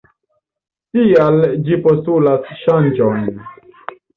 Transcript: Tial ĝi postulas ŝanĝojn.